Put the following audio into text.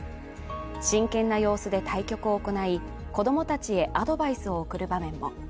真剣な様子で対局を行い子供たちへアドバイスを送る場面も。